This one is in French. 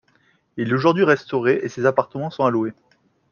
Il est aujourd'hui restauré et ses appartements sont à louer.